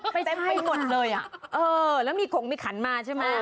เต็มไปหมดเลยอ่ะเออแล้วมีขงมีขันมาใช่ไหม